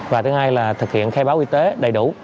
và thứ hai là thực hiện khai báo y tế đầy đủ